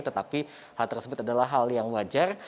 tetapi hal tersebut adalah hal yang wajar